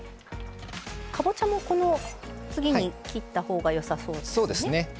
かぼちゃもこの次に切ったほうがよさそうですね。